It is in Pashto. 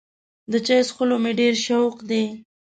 د چای څښلو مې ډېر شوق دی.